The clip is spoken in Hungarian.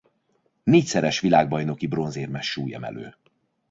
Négyszeres világbajnoki bronzérmes súlyemelő.